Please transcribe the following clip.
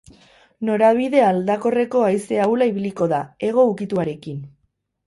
Norabide aldakorreko haize ahula ibiliko da, hego ukituarekin.